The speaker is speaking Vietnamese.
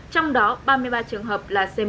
trong đó ba mươi ba trường hợp